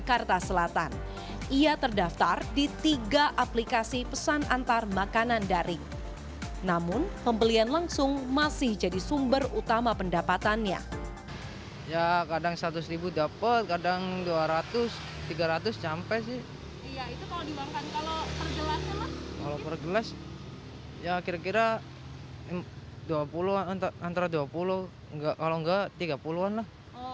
kira kira antara dua puluh kalau enggak tiga puluh an lah